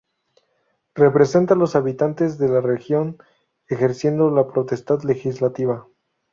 Representa a los habitantes de la región ejerciendo la potestad legislativa.